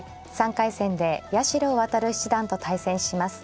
３回戦で八代弥七段と対戦します。